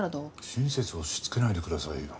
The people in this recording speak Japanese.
親切を押しつけないでくださいよ。